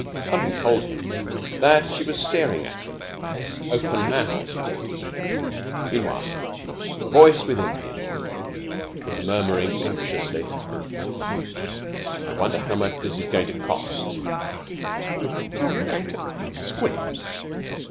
Something told him that she was staring at him, open mouthed. Meanwhile, a voice within him was muttering anxiously, "I wonder how much this is going to cost." "You're going to buy 'Squibs!'"